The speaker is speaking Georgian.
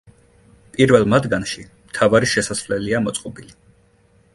პირველ მათგანში მთავარი შესასვლელია მოწყობილი.